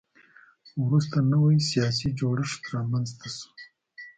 وروسته نوی سیاسي جوړښت رامنځته شو.